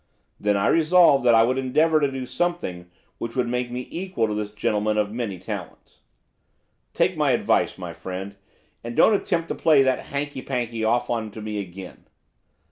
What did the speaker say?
Then I resolved that I would endeavour to do something which should make me equal to this gentleman of many talents. 'Take my advice, my friend, and don't attempt to play that hankey pankey off on to me again.